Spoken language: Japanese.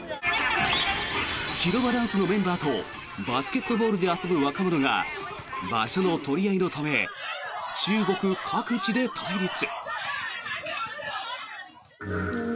広場ダンスのメンバーとバスケットボールで遊ぶ若者が場所の取り合いのため中国各地で対立。